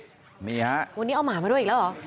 วันนี้เอาหมามาด้วยอีกแล้วหรอ